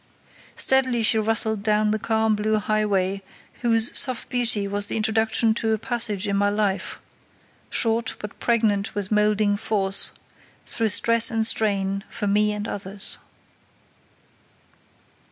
Steadily she rustled down the calm blue highway whose soft beauty was the introduction to a passage in my life, short, but pregnant with moulding force, through stress and strain, for me and others.